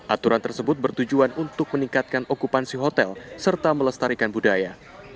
aturan tersebut bertujuan untuk meningkatkan okupansi hotel serta melestarikan budaya